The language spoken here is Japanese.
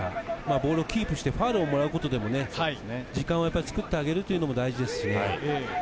ボールをキープしてファウルをもらうことでも時間を使ってあげるのは大事です。